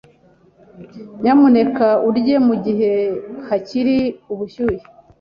Nyamuneka urye mugihe hakiri ubushyuhe.